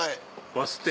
バス停！